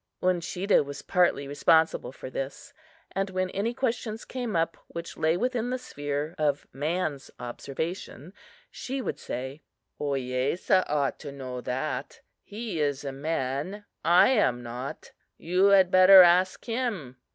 Uncheedah was partly responsible for this, for when any questions came up which lay within the sphere of man's observation, she would say: "Ohiyesa ought to know that: he is a man I am not! You had better ask him."